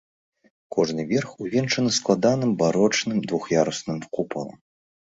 Кожны верх увянчаны складаным барочным двух'ярусным купалам.